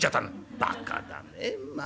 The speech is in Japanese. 「バカだねまあ。